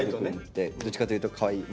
どっちかというとかわいい。